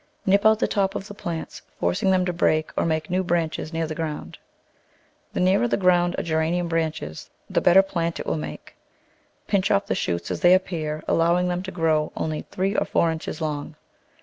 Nip out the top of the plants, forcing them to break or make new branches near the ground. The nearer the ground a Geranium Digitized by Google Eight] gottgegrtantg 77 branches the better plant it will make. Pinch off the shoots as they appear, allowing them to grow only three or four inches long.